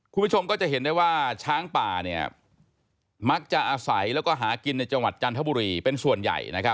คุณผู้ชมก็จะเห็นได้ว่าช้างป่ามักจะอาศัยแล้วก็หากินในจังหวัดจันทบุรีเป็นส่วนใหญ่